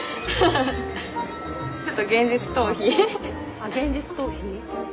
あっ現実逃避。